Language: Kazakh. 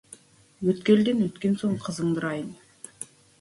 Өткелден өткен соң, қызыңды ұрайын.